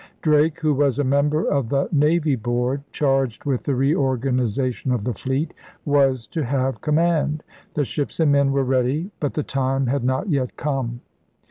Drake, who was a member of the Navy Board charged with the reorganization of the fleet, was to have command. The ships and men were ready. But the time had not yet come.